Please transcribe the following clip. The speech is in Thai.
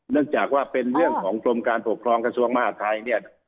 เนื่องจากว่าเป็นเรื่องของกรมการปกครองกระทรวงมหาดไทยเนี่ย